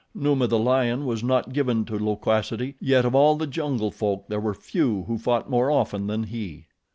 Numa, the lion, was not given to loquacity, yet of all the jungle folk there were few who fought more often than he.